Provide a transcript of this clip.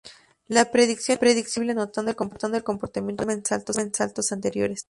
La predicción es posible anotando el comportamiento del programa en saltos anteriores.